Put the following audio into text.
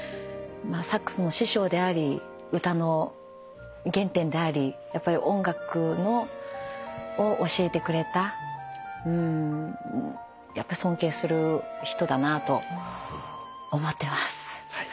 サックスの師匠であり歌の原点でありやっぱり音楽を教えてくれた尊敬する人だなと思ってます。